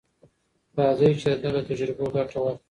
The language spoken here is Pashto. راځئ چې د ده له تجربو ګټه واخلو.